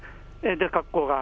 学校が。